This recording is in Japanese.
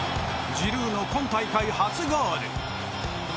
ジルーの今大会初ゴール。